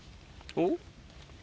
おっ？